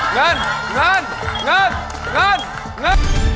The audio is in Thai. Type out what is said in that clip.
เงินงานเงินงานเงิน